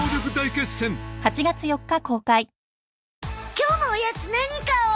今日のおやつ何買おう？